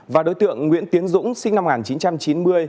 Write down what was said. và đối tượng nguyễn tiến dũng sinh năm một nghìn chín trăm chín mươi